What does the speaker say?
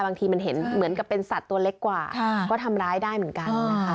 บางทีมันเห็นเหมือนกับเป็นสัตว์ตัวเล็กกว่าก็ทำร้ายได้เหมือนกันนะคะ